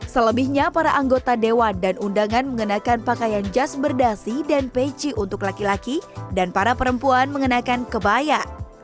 selebihnya para anggota dewan dan undangan mengenakan pakaian jas berdasi dan peci untuk laki laki dan para perempuan mengenakan kebaya